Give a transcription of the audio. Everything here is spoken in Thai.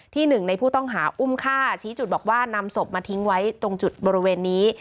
หนึ่งในผู้ต้องหาอุ้มฆ่าชี้จุดบอกว่านำศพมาทิ้งไว้ตรงจุดบริเวณนี้